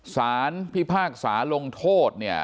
สารพิพากษาลงโทษเนี่ย